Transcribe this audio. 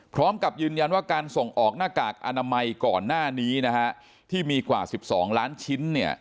พร้อมกับยืนยันว่าการส่งออกหน้ากากอนามัยก่อนหน้านี้นะฮะที่มีกว่า๑๒ล้านชิ้นเนี่ย